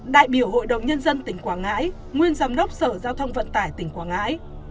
đại biểu hội đồng nhân dân tỉnh quảng ngãi nguyên giám đốc sở giao thông vận tải tỉnh quảng ngãi